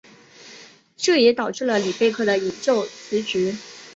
这也导致了里贝克的引咎辞职。